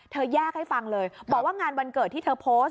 แยกให้ฟังเลยบอกว่างานวันเกิดที่เธอโพสต์